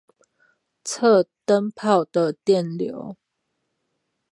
測燈泡的電流